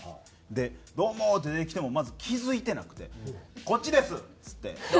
で「どうも！」って出てきてもまず気付いてなくて「こっちです」っつって「ああー！」ってなって。